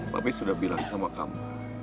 bapak sudah bilang sama kamu